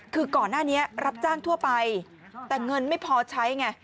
คือก่อนหน้านี้รับจ้างทั่วไปแต่เงินไม่พอใช้ไง